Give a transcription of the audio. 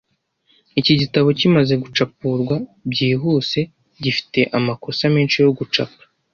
Iki gitabo, kimaze gucapurwa byihuse, gifite amakosa menshi yo gucapa.